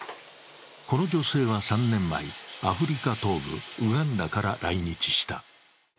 この女性は３年前、アフリカ東部・ウガンダから来日した。